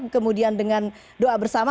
kemudian dengan doa bersama